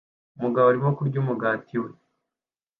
Umugabo arimo kurya umugati we